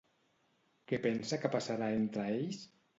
Què pensa que passarà entre ells?